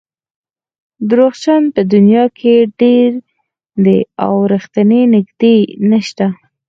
دروغجن په دنیا کې ډېر دي او رښتیني نژدې نشته.